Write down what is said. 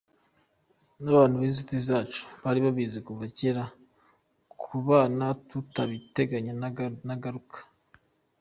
N’abantu b’inshuti zacu bari babizi kuva cyera, kubana turabiteganya nagaruka.